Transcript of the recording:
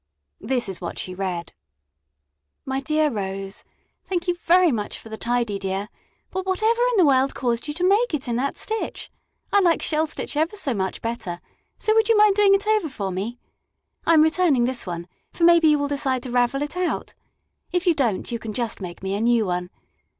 This is what she read: My dear Rose: Thank you very much for the tidy, dear, but whatever in the world caused you to make it in that stitch? I like shell stitch ever so much better, so would you mind doing it over for me? I am returning this one, for maybe you will decide to ravel it out; if you don't, you can just make me a new one.